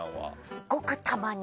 ごくたまに。